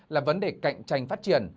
là vấn đề cạnh tranh phát triển